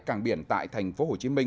cảng biển tại tp hcm